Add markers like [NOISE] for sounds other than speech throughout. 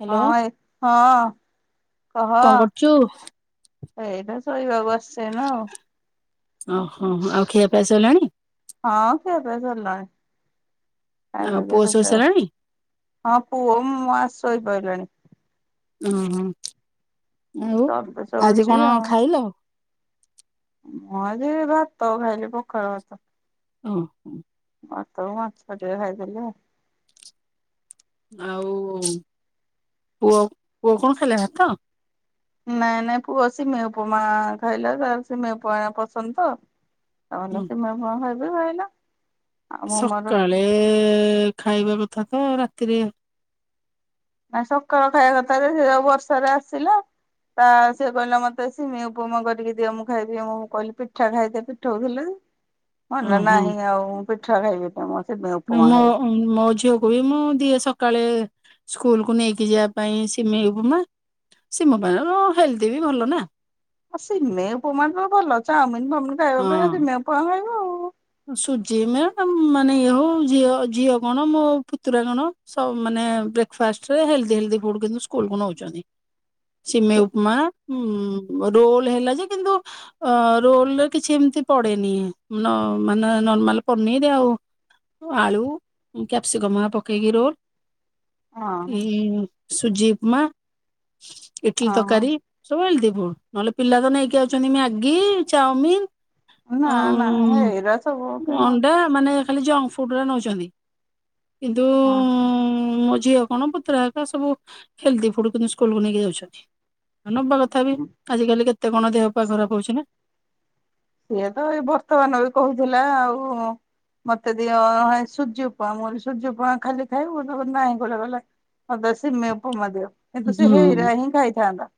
Hello ହଁ ଏ ହଁ କହ କଣ କରୁଛୁ? ଏଇଟା ଶୋଇବାକୁ ଆସିଛି ଏଇନା ଆଉ। ଓହୋ ଆଉ ଖିଆ ପିଆସରିଲାଣି? ଖିଆ ପିଆ ସରିଲାଣି। ଆଉ ପୁଅ ଶୋଇ ସାରିଲାଣି ଆ ହଁ ପୁଅ ମୁଁ ଆସୁ ଶୋଇଲାଣି। ଓ ହୋ। ଆଉ ଦବେ ଆଜି ଶୋଉଛି କଣ ଆଉ। ଖାଇଲ? ମୁଁ ଆଜି ଭାତ ଖାଇଲି ପଖାଳ ଭାତ। ଓହ। ଭାତ ମାଛ ଟିକେ ଖାଇଥିଲି ଆଉ ଆଉ ପୁଅ ପୁଅ କଣ ଖାଇଲେ ଭାତ? ନାଇଁ ନାଇଁ ପୁଅ ସିମେଇ ଉପମା ଖାଇଲା ତା ସିମେଇ ଉପମା ପସନ୍ଦ ତ। ଆଉନା ହୁଁ, ସେ ସିମେଇ ଉପମା ଖାଇ ଖାଇଲା। ଆଉ ମୁଁ ମୋର ସକାଳେ ଖାଇବା କଥା ତ ରାତିରେ ନା ସକାଳ ଖାଇବା କଥାରେ ସେ ଯଉ ବର୍ଷାରେ ଆସିଲା ତା ସିଏ କହିଲା ମତେ ସିମେଇ ଉପମା କରିକି ଦିଅ ମୁଁ ଖାଇଦିଏ ମୁଁ କହିଲି ପିଠା ଖାଇଦେ ପିଠଉ ଥିଲ ଯେ ଓହୋ ଖାଇବିନି ମୁଁ ସିମେଇ ଉପମା ମୋ ଖାଇବି। ମୋ ଝିଅକୁ ବି ମୁଁ ଦିଏ ସକାଳେ ସ୍କୁଲ କୁ ନେଇକି ଯିବା ପାଇଁ ସିମେଇ ଉପମା ସିମ ପାଇଁ ହେଲଦି ବି ଭଲ ନା ଆଉ ସିମେଇ ଉପମା ତ ଭଲ ଚାଓମି ଖାଇବା ହଁ ଅପେକ୍ଷା ସିମେଇ ଉପମା ଖାଇବ ଆଉ। ସୁଜି ମା ମାନେ ଇଏ ହଉ ଝିଅ ଝିଅ କଣ ମୋ ପୁତୁରା କଣ ସବୁ ମାନେ ବ୍ରେକଫାଷ୍ଟରେ ହେଲଦି ହେଲଦି ଫୁଡ କିନ୍ତୁ ସ୍କୁଲ କୁ ନଉଛନ୍ତି ସିମେଇ ଉପମା ରୋଲ ହେଲା ଯେ କିନ୍ତୁ ରୋଲରେ କିଛି ଏମତି ପଡେନି ମାନେ ନର୍ମାଲ ପନିର ଆଉ ଆଳୁ କ୍ୟାପସିକମ ହେରା ପକେଇକି ରୋଲ। ହଁ ହୁଁ। ସୁଜି ଉପମା। ଇଟଲି ହଁ ତକାରୀ ସବୁ ହେଲଦି। ହୁ ନହେଲେ ପିଲା ତ ନେଇକି ଯାଉଛନ୍ତି ମ୍ୟାଗି ଚାଓମିିନ। ନା ନା ହେଇରା ସବୁ ହଁ କେନ ଅଣ୍ଡା ମାନେ। ଖାଲି ଜଙ୍କ ଫୁଡରା ନେଉଛନ୍ତି। ଦ ହଁ ଝିଅ କଣ ପୁତୁରା ଏକ ସବୁ ହେଲଦି ଫୁଡ କିନ୍ତୁ ସ୍କୁଲକୁୁ ନେଇକି ଯାଉଛନ୍ତି। ନବା କଥା ବି ଆଜିକାଲି କେତେ? ଏତେ କଣ ଦେହ ପା ଖରାପ ହଉଛି ନା। ସିଏ ତ ଏଇ ବର୍ତ୍ତମାନ ବି କହୁଥିଲା ଆଉ ମତେ ଦିଅ ସୁଜି ଉପମା। ମୁଁ କଲି ସୁଜି ଉପମା ଖାଲି ଖାଇବୁ। ସେ କଲା ନାହିଁ କଲା କହିଲା ମତେ ସିମେଇ ଉପମା ଦିଅ। ତ ସେ ହେଇରା ହିଁ ଖାଇଥାନ୍ତା।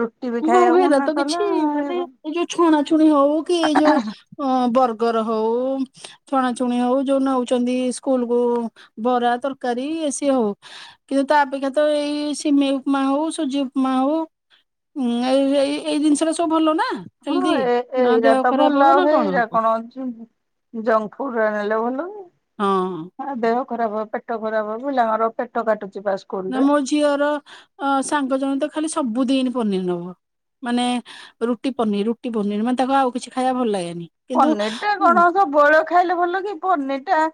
ରୁଟି ବି ହଉ ଖାଇବାକୁ ହେରା ମନା ତ କିଛି ମାନେ କଲା ଏଇ ଯୋଉ ଛଣା ଛୁଣି ହଉ କି ଯୋଉ ଅ ବର୍ ଗର ହଉ ଛଣାଛୁଣି ହଉ ଯୋଉ ନଉଛନ୍ତି ସ୍କୁଲ କୁ ବରା ତରକାରୀ ଏ ସିଏ ହଉ କି ତା ଅପେକ୍ଷା ତ ଏଇ ସିମେଇ ଉପମା ହଉ ସୁଜି ଉପମା ହଉ ହୁଁ ଏଇ ଏଇ ଏଇ ଜିନିଷଟା ସବୁ ଭଲ ନା। ହଁ ହେଲ୍ଦି ଏ ନା ଏଇରା ଦେହ ତ ଖରାପ ଭଲ ହବ ଆଉ ନା ହେଇରା ହବ କଣ ଅଛି ଜଙ୍କ ଫୁଡ ରା ନେଲେ ଭଲ କି। ହଁ। ଦେହ ଖରାପ ହବ ପେଟ ଖରାପ ହବ ପିଲାଙ୍କର ପେଟ କାଟୁ ନା ମୋ ଝିଅର ଅ ସାଙ୍ଗ ଜଣେ ତ ଖାଲି ସବୁଦିନ। ପନିର ନବ ମାନେ ରୁଟି ପନିର ରୁଟି ପନିର ମାନେ ତାକୁ ଆଉ କିଛି ଖାଇବା ଭଲ ଲାଗେନି। କିନ୍ତୁ ପନିର ଟା କଣ ସବୁ ବଳ ଖାଇଲେ ଭଲ କି ପନିର ଟା।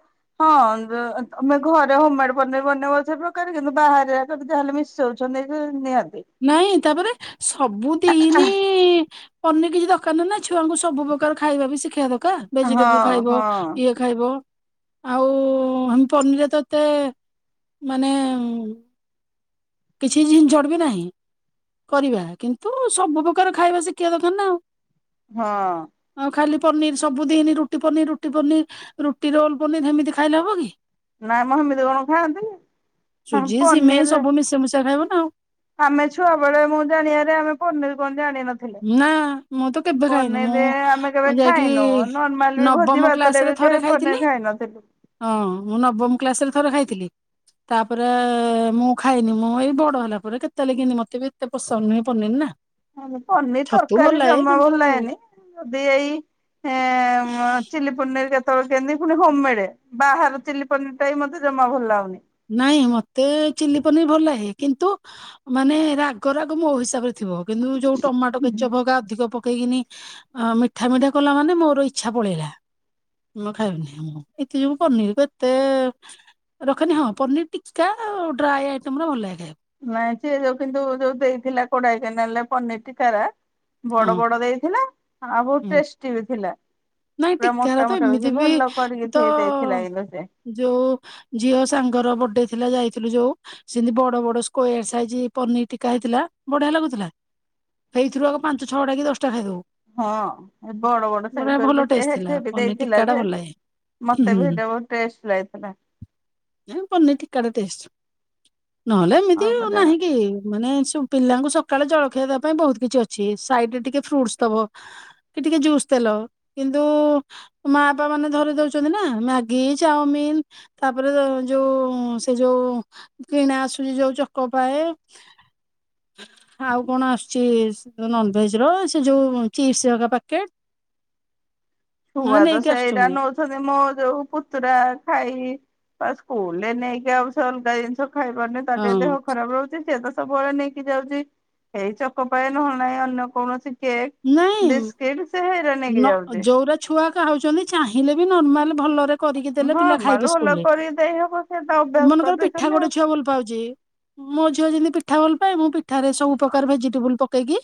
ହଁ ତ ତମେ ଘରେ ହୋମମେଡ ପନିର ବନେଇବା ସେ ପ୍ରକାରେ କିନ୍ତୁ ବାହାରେ ଯାହାହେଲେ ମିଶଉ ଛନ୍ତି ନିହାତି। ନାଇଁ ତାପରେ ସବୁ ଦିନି ପନିର କି ର ର ନାଇ ଛୁଆଙ୍କୁ ସବୁ ପ୍ର୍ରକାର ଖାଇବା ବି ଶିଖେଇବା ଦରକାର ହଁ ଭେଜିଟେବୁଲ ଖାଇବ ହଁ ଇଏ ଖାଇବ। ଆଉ ପନର ରେ ତ ଏତେ ମାନେ। କିଛି ଝିନଝଟ ବି ନାହିଁ କରିବା କିନ୍ତୁ ସବୁ ପ୍ରକାର ଖାଇବା ଶିଖିବା ଦରକାର ନା ଆଉ। ହଁ। ଆଉ ଖାଲି ପନିର ସବୁ ଦିନି ରୁଟି ପନିର ରୁଟି ପନିର ରୁଟି ରୋଲ ପନିର ସେମିତି ଖାଇଲେ ହବ କି? ନା ମ ହେମିତି କଣ ଖାଆନ୍ତି ପନିର। ଖଇବ ନା ଆଉ। ଆମେ ଛୁଆ ବେଳେ ମୁଁ ଜାଣିଆାରେ ଆମେ ପନିର କ ନା ମୁଁ ତ କେବେ ଖାଇନି ପନିର ଆମେ କେବେ ମୁଁ ଯାଇକି ଖାଇନୁ ନର୍ମାଲ ବି ଭୋଜି ନବମ ଭାତରେ କ୍ଲାସ ବି ରେ ଥରେ କେବେ ପନିର ଖାଇଥିଲି ଖାଇନଥିଲୁ। ହଁ ମୁଁ ନବମ କ୍ଲାସରେ ଥରେ ଖାଇଥିଲି। ତାପରେ ମୁଁ ଖାଇନି ମୁଁ ଏଇ ବଡ ହେଲା ପରେ କେତେ ବେଳେ କେଁତି ମତେ ବି ଏତେ ପସନ୍ଦ ନୁହଁ ପନିର ନା। ମତେ ପନିର ଛତୁ ଭଲ ତରକାରୀ ଲାଗେ ଜମା କିନ୍ତୁ ଭଲ ଲାଗେନି ଯଦି ଏଇ ଏଁ ଚିଲି ପନିର କେ କେତେବେଳେ କେମତି ପୁଣି ହୋମମେଡ ବାହାର ଚିଲି ପନିର ଟା ବି ମତେ ଜମା ଭଲ ଲାଗୁନି। ନାଇଁ ମତେ ଚିଲି ପନିର ଭଲ ଲାଗେ କିନ୍ତୁ ମାନେ ରାଗ ରାଗ ମୋ ହିସାବରେ। ଥିବ କିନ୍ତୁ ଯୋଉ ଟମାଟୋ କ୍ୟଚପ ହକା ଅଧିକ ପ ପକେଇକିନି ମିଠା ମିଠା କଲା ମାନେ ମୋର ଇଛା ପଳେଇଲା ମୁ ଖାଇବନି କି ମୁଁ ପନିର କୁ ଏତେ ରଖେନି ହଁ। ପନିର ଟିକା ଡ୍ରାଏ ଆଇଟମ ଗୁରା ଭଲ ଲାଗେ ଖାଇବାକୁ। ନାଇଁ ସିଏ ଯୋଉ କିନ୍ତୁ ଯୋଉ ଦେଇଥିଲା କୋଡାଇ କେନାଲ ରେ ପନିର ଟିକା ରା ବଡ ଖାଇବାକୁ ବଡ ଦେଇଥିଲା। ଆଉ ବହୁତ ହଁ ହୁଁ ଟେଷ୍ଟି ବି ଥିଲା। ନାଇଁ ପୁରା ଟିକାର ମୋଟା ତ ମୋଟା ଏମିତି ବି ଭଲ ତ କରିକି ଦେଇଥିଲା କିନ୍ତୁ ସେ ଯୋଉ ଝିଅ ସାଙ୍ଗର ବର୍ଡେ ଥିଲା ଯାଇ ଥିଲୁ ଯୋଉ ସେମିତି ବଡ ବଡ ସ୍କୋୟର ସାଇଜ ପନିର ଟୀକା ହେଇଥିଲା ବଢିଆ ଲାଗୁଥିଲା ସେଇଥିରୁ ଆଗ ପାଞ୍ଚ ଛଅ ଟା କି ଦଶଟା ଖାଇଦବୁ। ହଁ ଏ ବଡ ବଡ ସାଇଜ ବଢିଆ ଭଲ କରିକି। ସେ ଟେଷ୍ଟ ଥିଲା ହେଠି ବି ପନିର ଦେଇଥିଲା ଟିକ ଟା ଯେ ଭଲ ଲାଗେ। ମତେ ବି ସେଇଟା ବହୁତ ଟେଷ୍ଟ ଲାଗିଥିଲା ନାଇ ପନିର ଟିକକା ଟା ଟେଷ୍ଟ। ନହେଲେ ଏମିତି ଅଳ୍ପ ଜାଗା ନାହିଁ କି ମାନେ ସବୁ ପିଲାଙ୍କୁ ସକାଳେ ଜଳଖିଆ ଦେବା ପାଇଁ ବହୁତ କିଛି ଅଛି ସାଇଡରେ ଟିକେ ଫ୍ରୁଟସ ଦବ କି ଟିକେ ଜୁସ୍ ଦେଲ କିନ୍ତୁ ମାପା ମାନେ ଧରି ଦଉଛନ୍ତି ନା ମ୍ୟାଗି ଚାଓମିିନ ତାପରେ ଯୋଉ ସେ ଯୋଉ କିଣା ଆସୁଛି ଯୋଉ ଚକୋ ପାଏ ଆଉ କଣ ଆସୁଛି ନନଭେଜ ର ସେ ଯୋଉ ଚିପ୍ସ ହିରିକା ପ୍ୟାକେଟ ଶୁଆ ତ ନେଇକି ସେଇଟା ଆସୁଛନ୍ତି ନଉଛନ୍ତି ମୋ ଯୋଉ ପୁତୁରା ଖାଇ ବା ସ୍କୁଲରେ ନେଇକି ଆଉ ସେ ଅଲଗା ଜିନିଷ ଖାଇ ପାରୁନି ତାର ଟିକେ ଦେହ ହଁ ଖରାପ ରହୁଛି ସେ ତ ସବୁବେଳେ ନେଇକି ଯାଉଛି ହେଇ ଚକ ପାଏ ନହ ନାହିଁ ଅନ୍ୟ କୌଣସି କେକ୍ ନାଇଁ ବିସ୍କିଟ ସେ ହେରା ନ ନେଇକି ଯାଉଛି ଯୋଉରା ଛୁଆ ଖାଉଛନ୍ତି ଚାହିଁଲେ ବି ନର୍ମାଲ ଭଲରେ କରିକି ଦେଲେ ପିଲା ନର୍ମାଲ ଖାଇବେ ଭଲ ସ୍କୁଲରେ କରିକି ଦେଇ ହବ ସେ ତା ଅଭ୍ୟାସ ମନେକର ପିଠା କରିଦେଇଛନ୍ତି ଗୋଟେ ଆଉ। ଝିଅ ଭଲ ପାଉଛି ମୋ ଝିଅ ଯେମିତି ପି ଠା ଭଲ ମୁଁ ପି ଠାରେ ସବୁ ପ୍ରକାର ଭେଜିଟେବଲ ପକେଇକି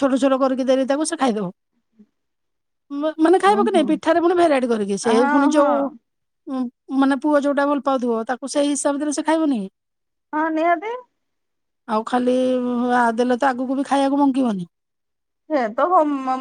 ଛୋଟ ଛୋଟ କରି କି ଦେବି ତାକୁ ସେ ଖାଇଦବ ମାନେ ହୁଁ ଖାଇବା କି ନାଇଁ ହୁଁ ପିଠାରେ ପୁଣି ଭେରାଇଟି କରିକି ସେ ପୁଣି ହଁ ହଁ ଯୋଉ ମାନେ ପୁଅ ଯୋଉଟା ଭଲ ପାଉଥିବ ତାକୁ ସେଇ ହିସାବରେ ସେ ଖାଇବନି କି? ହଁ ନିହାତି ଆଉ ଖାଲି ଦେଲେ ତ ଆଗକୁ ବି ଖାଇବାକୁ ମଙ୍ଗିବନି। ସେ ତ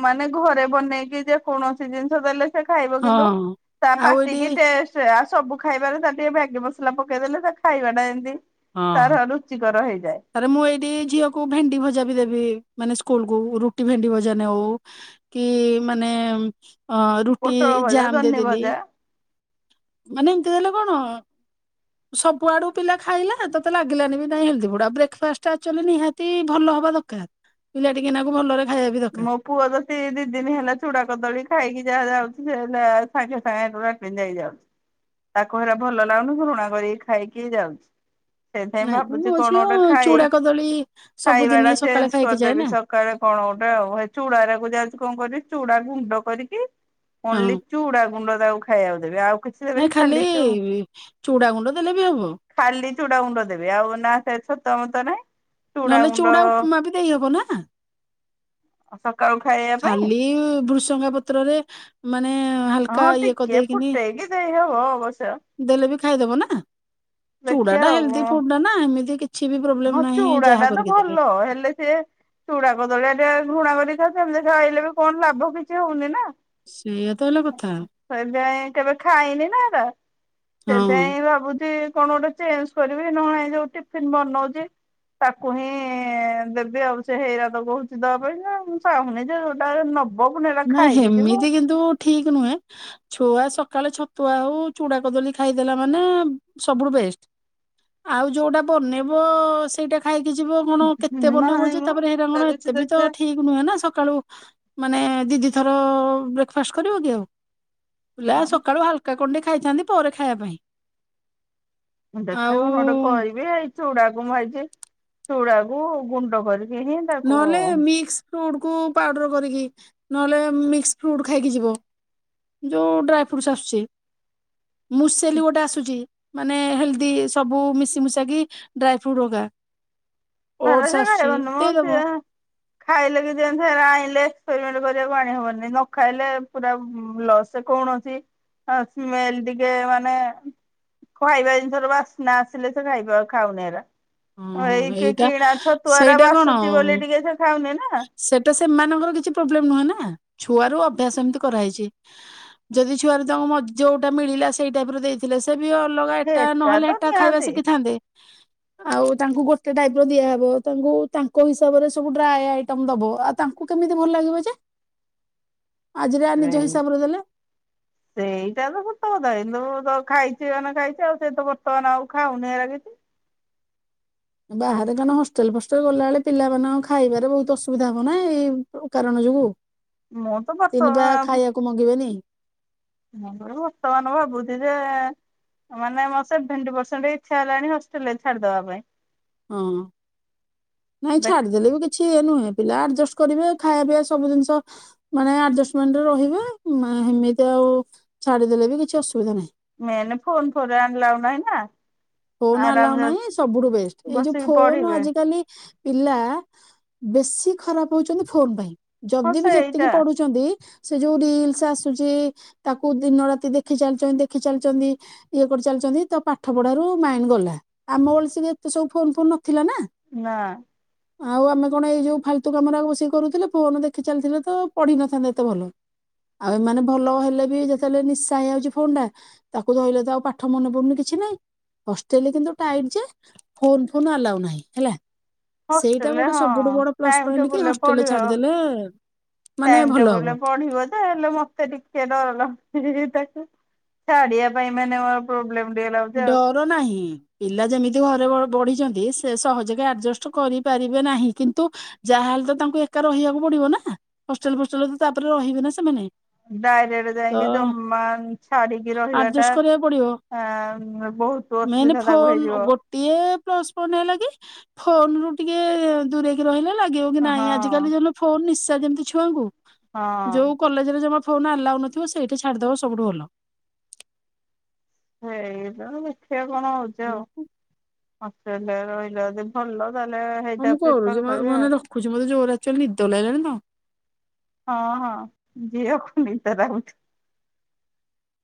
ମାନେ ଘରେ ବନେଇକି ଯେ କୌଣସି ଜିନିଷ ଦେଲେ ଖାଇବ କିନ୍ତୁ ହଁ ତା ଆଉ ଏଇଠି ପାଟିକି ଟେଷ୍ଟ ଆ ସବୁ ଖାଇବାରେ ତା ଟିକେ ମ୍ୟାଗି ମସଲା ପକେଇଦେଲେ ସେ ଖାଇବାଟା ଏମିତି ହଁ ତାର ରୁଚିକର ହେଇଯାଏ ଆରେ ମୁଁ ଏଇଠି ଝିଅକୁ ଭେଣ୍ଡି ଭଜା ବି ଦେବି ମାନେ ସ୍କୁଲ କୁ ରୁଟି ଭେଣ୍ଡି ଭଜା ନଉ କି ମାନେ ଅ ରୁଟି ପୋଟଳ ଭଜା ଜାମ ଜହ୍ନି ଦେଇଦେଲି ଭଜା ମାନେ ଏମତି ଦେଲେ କଣ ସବୁଆଡୁ ପିଲା ଖାଇଲା ତତେ ଲାଗିଲାନି ବି ନାଇଁ କାଇଁ ଗୁଡା ବ୍ରେକଫାଷ୍ଟ ନିହାତି ଭଲ ହବା ଦରକାର ପିଲା ଟିକେନାକୁ ଭଲରେ ଖାଇବା ବି ଦରକାର ମୋ ପୁଅ ତ ଦି ଦିନ ହେଲା ଚୁଡା କଦଳୀ ଖାଇକି ଯାହା ଯାଉଛି ସେ ହେଲା ସାଙ୍ଗେ ସାଙ୍ଗେ ନେଇ ଯାଉଛି ତାକୁ ହେରା ଭଲ ଲାଗୁନି ଘୃଣା କରିକି ଖାଇକି ଯାଉଛି। ସେଇଥିପାଇଁ ନାଇଁ ଭାବୁଛି ମୋ କଣ ଝିଅ ଗୋଟେ ଖାଇ ଚୁଡା କଦଳୀ ଖାଇବା ଟା ସବୁଦିନ ସକାଳେ ଖାଇକି ଯାଏ ନା ଚୁଡାଉରାକୁ ଯାଉଛି କଣ କରିବି ଚୁଡା ଗୁଣ୍ଡ କରିକି ହଁ ଓନ୍ଲି ଚୁଡା ଗୁଣ୍ଡ ତାକୁ ଖାଇବାକୁ ଦେବି ଆଉ କିଛି ଦେବେନି ଖାଲି ଚୁ ଚୁଡା ଗୁଣ୍ଡ ଦେଲେ ବି ହବ ଖାଲି ଚୁଡା ଗୁଣ୍ଡ ଦେବି ଆଉ ନା ତମ ତ ନାଇଁ ନହେଲେ ଚୁଡା ଉପମା ବି ଦେଇହବ ନା [UNINTELLIGIBLE] ପାଇଁ ଖାଲି ଭୃସଙ୍ଗା ପତ୍ରରେ ମାନେ ହାଲକା ହଁ ଇଏ ଟିକେ କରିଦେଇକିନି ଫୁଟେଇ କି ଦେଇ ହବ ଅବଶ୍ୟ ଦେଲେ ବି ଖାଇଦବ ନା ଦେଖିବା ଚୁଡାଟା ହେଲଦି ଆଉ ଫୁଡ ଟା ନା ଏମିତି କିଛି ବି ପ୍ରୋବ୍ଲେମ ହଁ ନାହିଁ ଚୁଡା ଯାହା ଟା ତ କରିକି ଦେଲେ ଭଲ ହେଲେ ସେ ଚୁଡା କଦଳିଆ ଟେ ଘୃଣା କରିଥା ସେମିତିଇଲେ ବି କଣ ଲାଭ କିଛି ହଉନି ନା। ସେଇଆ ତ ହେଲା କଥା ସେ ଯାଇ କେବେ ଖାଇନି ନା ହେଟା ହଁ। ସେଥିଇଁ ଭାବୁଛି। କଣ ଗୋଟେ ଚେଞ୍ଜ କରିବି ନହ ଏଇ ଯୋଉ ଟିଫିନ୍ ବନଉ ତାକୁ ହିଁ ଦେବି ଆଉ ସେ ହେଇରାତ କହୁଛି ଦବା ପାଇଁ ନା ମୁଁ ଚାହୁଁନି ଯୋଉଟା ନ ନାଇ ହେମିତି କିନ୍ତୁ ଠିକ ନୁହଁ ଛୁଆ ସକାଳେ ଛତୁଆ ହଉ ଚୁଡା କଦଳୀ ଖାଇଦେଲା ମାନେ ସବୁଠୁ ବେଷ୍ଟ ଆଉ ଯୋଉଟା ବନେଇବ ସେଇଟା ଖାଇ ଯିବ କଣ କେତେ ବନେଇବ ନାହିଁ ଯେ ମ ତାପରେ ଅଲଗା ହେଇରାଙ୍ଗଣ କିଛି ଏତେ ବି ତ ଦେଖିବା ଠିକ ନୁହେଁ ନା ସକାଳୁ। ମାନେ। ଦିଦି ଥର ବ୍ରେକ୍ଫାଷ୍ଟ କରିବ କି ଆଉ। ପିଲା ସକାଳୁ ହାଲକା କଣ୍ଡେ ଖାଇଥାନ୍ତି ପରେ ଖାଇବା ପାଇଁ ଏଣ୍ଡକା ଆଉ ନ ନୋଟେ କହିବ ଆାଇ ଚୁଡ଼କ ଭାଇଜି। ଚୁଡାକୁ ଗୁଣ୍ଡ କରି ନହେଲେ ମିକ୍ସ ଫ୍ରୁଟ୍। କୁ ପାଉଡର କରିକି ନହେଲେ ମିକ୍ସଫ୍ରୁଟ ଖାଇକୀ ଯିବ ଯୋଉ ଡ୍ରାଏଫ୍ରୁଟସ୍ ଆସୁଚି। ମୁଁସଲି ଗୋଟେ ଆସୁଛି। ମାନେ ହେଲ୍ଦି ସବୁ ମିଶିମୁଶା କିି ସବୁ ଡ୍ରାଇଫ୍ରୁଟ୍ ରଗା। ଓଡସ ଆସୁଛି। ଖାଇବନି ହଁ ସେ ଦେଇଦବ। ଖାଇଲେ କି ଯେମ ଆଣିଲେ। କରିବାକୁ ଆଣି ହବନି ନ ଖାଇଲେ ପୁରା ସେ କୌଣସି ସ୍ମେଲ ଟିକେ ମାନେ ଖାଇବା ଜିନିଷର ବାସ୍ନା ଆସିଲେ ସେ ଖାଇବା ଖାଉନି। ହଁ ହ ଏଇଟା। ଣା ଛତୁଆରା ସେଇଟା କଣ ବାସୁଛି ବୋଲି ଟିକେ ସେ ଖା। ସେଟା ସେମାନଙ୍କର କିଛି ପ୍ରୋବ୍ଲେମ ନୁହଁ ନା। ଛୁଆ ର ଅଭ୍ୟାସ ଏମିତି କରାହେଇଛି ଯଦି ଛୁଆରେ ତାଙ୍କ ଯୋଉଟା ମିଳିଲା ସେଇ ଟାଇପ ର ଦେଇଥିଲେ ସେ। ବି ଅଲଗା ଏଟା ନହେଲେ ତ ହେଟା ଖାଇବା ନିହାତି ଶିଖିଥାନ୍ତେ। ଆଉ ତାଙ୍କୁ ଗୋଟେ ଟାଇପ ର ଦିଆହବ ତାଙ୍କୁ ତାଙ୍କ ହିସାବରେ ସବୁ ଡ୍ରାଏ ଆଇ। ଦବ ଆଉ ତାଙ୍କୁ କେମିତି ଭଲ ଲାଗିବ ଯେ। ଆଜିରେ ନିଜ ସେଇ ହିସାବରେ ଦେଲେ [INAUDIBLE] ସେଇଟା ତ ସତ କଥା ଏଇନ ତ ଖାଇଛି ମାନେ ଖାଇଛି ଆଉ ସେ ତ ବର୍ତ୍ତମାନ ଆଉ ଖାଉନି ହେରା କିଛି। ବାହାରେ କାନ ହଷ୍ଟେଲ ଫଷ୍ଟେଲ ଗଲାବେଳେ ପିଲାମାନେଙ୍କ ଖାଇବାରେ ବହୁତ ଅସୁବିଧା ହବ ନା ଏଇ କାରଣ ଯୋଗୁ। ମୁଁ ତ ତିନି ବର୍ତ୍ତମାନ ପା ଖାଇବାକୁ ମଗିବେନି। ମୁଁ ବର୍ତ୍ତମାନ ଭାବୁଛି ଯେ ମାନେ ମୋର ସେଭେନ୍ତ୍ପିର୍ସେଣ୍ଟ ଇଛା ହେଲାଣି ହଷ୍ଟେଲ ରେ ଛାଡିଦବା ପାଇଁ। ହୁଁ [INAUDIBLE] ନାଇଁ ଦେଖ ଛାଡିଦେଲେ ବି କିଛି। ଏ ନୁହେଁ ପିଲା ଆଡଜଷ୍ଟ କରିବେ ଖାଇବା ପିଇବା ସବୁ ଜିନିଷ ମାନେ ଆଡଜଷ୍ଟମେଣ୍ଟରେ ରହିବେ ସେମିତି ଆଉ ଛାଡିଦେଲେ ବି କିଛି ଅସୁବିଧା ନାହିଁ। ମେନ୍ ଫୋନ ଫୋନ୍ ଆଲାଉ ନାହିଁ ନା। ଫୋନ ଆଲାଉ ଆରାମରେ ନାହିଁ ସବୁଠୁ ବେଷ୍ଟ ଏଇ ଯୋଉ ବସିକି ଫୋନ ପଢିବେ ଆଜିିକାଲି ପିଲା ବେଶୀ ଖରାପ ହଉଛନ୍ତି ଫୋନ ପାଇଁ। ହଁ ଯଦି ବି ଯେତିକି ସେଇଟା ପଢୁଛନ୍ତି ସେ ଯୋଉ ରିଲସ ଆସୁଛି ତାକୁ ଦିନ ରାତି ଦେଖି ଚାଲିଛନ୍ତି ଦେଖି ଚାଲିଛନ୍ତି। ଇଏ କରିଚାଲିଛନ୍ତି ତ ପାଠ ପଢାରୁ ମାଇଣ୍ଡ ଗଲା ଆମ ବଳିକି ଏତେ ସବୁ ଫୋନ୍ ଫୋନ୍ ନଥିଲା ନା। ନା ଆଉ ଆମେ କଣ ଏଇ ଯୋଉ ଫାଲତୁ କାମରେ ଆଉ ବସିକି କରୁଥିଲେ। ଫୋନ ଦେଖି ଚାଲିଥିଲେ ତ ପଢ଼ିନଥାନ୍ତେ। ଏତେ ଭଲ ଆଉ ଏମାନେ ଭଲ ହେଲେ ବି ଯେତେବେଳେ ନିଶା ହେଇଯାଉଛି। ଫୋନ ଟା ତାକୁ ଧଇଲେ ତ ଆଉ ପାଠ ମନେ ପଡୁନି କିଛି ନାହିଁ। ହଷ୍ଟେଲରେ କିନ୍ତୁ ଟାଇଟ ଯେ ଫୋନ୍ ଫୋନ୍ ଆଲାଉ ନାହିଁ ହେଲା। ସେଇଟା ହଷ୍ଟେଲରେ ଗୋଟେ ହଁ ସବୁଠୁ ବଡ ପ୍ଲସ ଟାଇମ୍ ପଏଣ୍ଟ କି ଟେବୁଲରେ ହଷ୍ଟେଲରେ ପଢ଼ିବ। ଛାଡିଦେଲେ [INAUDIBLE] ମାନେ ଟାଇମ୍ ଭଲ ହବ ଟେବୁଲରେ ପଢ଼ିବ ଯେ ହେଲେ ମୋତେ ଟିକେ ଡର ଲାଗୁ ତାକୁ ଛାଡିବା ପାଇଁ ମାନେ ପ୍ରୋବଲେମ୍ ଡର ନାହିଁ। ପିଲା ଯେମିତି ଘରେ ବଢିଛନ୍ତି ସେ ସହଜକେ ଆଡଜଷ୍ଟ କରିପାରିବେ ନାହିଁ। କିନ୍ତୁ ଯାହାହେଲେ ତ ତାଙ୍କୁ ଏକା ରହିବାକୁ ପଡିବନା। ହଷ୍ଟେଲ ଫୋଷ୍ଟେଲରେ ତ ତାପରେ ରହିବେ ନା ସେମାନେ। ଡାଇରେକ୍ଟ ତ ଯାଇକି ଜମା ଛାଡିକି ରହିବା ଟା ଆଡଜଷ୍ଟ କରିବାକୁ ଆ ବହୁତ [INAUDIBLE] ମେନ୍ ଅସୁବିଧା ତାକୁ ଫୋନ୍ ହେଇଯିବ ଗୋଟିଏ ପ୍ଲସ ପଇଣ୍ଟ ହେଲା କି ଫୋନ୍ ରୁ ଟିକେ ଦୂରେଇକି ରହିଲେ ଲାଗିବ କି ନାଇଁ ହଁ ଆଜିକାଲି ଯୋଉ ଫୋନ୍ ନିଶା ନିଶା ଯେମିତି ଛୁଆଁ ଙ୍କୁ ହଁ ଯୋଉ କଲେଜରେ ଜମା ଫୋନ୍ ଅଲାଉ ନଥିବ ସେଇଠି ଛାଡିଦବ ସବୁଠୁ ଭଲ। [INAUDIBLE] ସେଇତ ଦେଖିଆକ୍ କଣ ହଉଛି ଆଉ। ହଷ୍ଟେଲରେ ରହିଲା ଯଦି ଭଲ। ତାହେଲେ ହଉ ହେଇଟା ମୁଁ ପ୍ରିଫର କରୁଛି କରିବା ମାନେ ରଖୁଛି ମତେ ଜୋରେ ଆକ୍ଚୁଆଲି ନିଦ ଲାଗିଲାଣି ତ। ଏଇଆକୁ ନିଦ ଲାଗୁଚି। [INAUDIBLE]